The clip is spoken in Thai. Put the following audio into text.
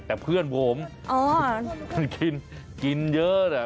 แต่เพื่อนผมกินเยอะน่ะ